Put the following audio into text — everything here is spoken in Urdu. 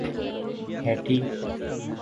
ہیٹی